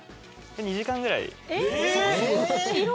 ２時間ぐらい。